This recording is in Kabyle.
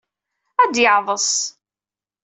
Ad yeɛeḍḍes.